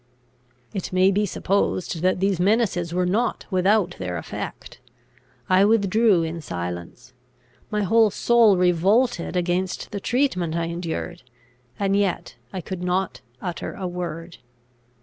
It may be supposed that these menaces were not without their effect. I withdrew in silence. My whole soul revolted against the treatment I endured, and yet I could not utter a word.